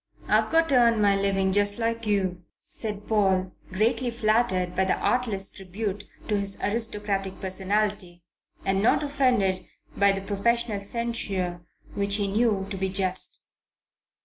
"I've got to earn my living just like you," said Paul, greatly flattered by the artless tribute to his aristocratic personality and not offended by the professional censure which he knew to be just.